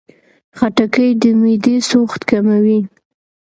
خټکی د معدې سوخت کموي.